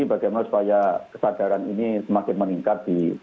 bagaimana supaya kesadaran ini semakin meningkat